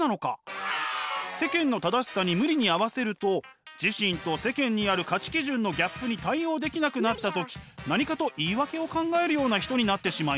世間の正しさに無理に合わせると自身と世間にある価値基準のギャップに対応できなくなった時何かと言い訳を考えるような人になってしまいます。